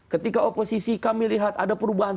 ketika oposisi kami lihat ada perubahan